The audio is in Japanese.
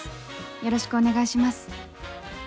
よろしくお願いします。